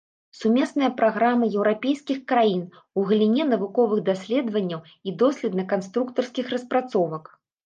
Сумесная праграма еўрапейскіх краін у галіне навуковых даследаванняў і доследна-канструктарскіх распрацовак.